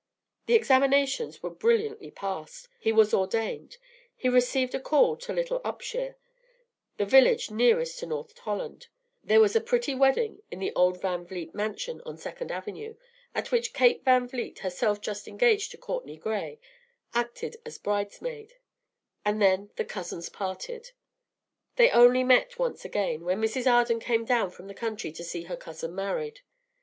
The examinations were brilliantly passed; he was ordained; he received a "call" to Little Upshire, the village nearest to North Tolland; there was a pretty wedding in the old Van Vliet mansion on Second Avenue, at which Kate Van Vliet, herself just engaged to Courtenay Gray, acted as bridesmaid; and then the cousins parted. They only met once again, when Mrs. Arden came down from the country to see her cousin married.